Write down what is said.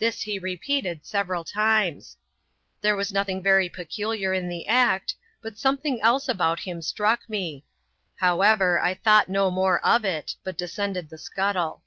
This he repeated several times. There was nothing very peculiar in the act, but something else about him struck me. However, I thought no more of it, but descended the scuttle.